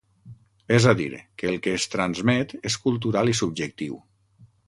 És a dir, que el que es transmet és cultural i subjectiu.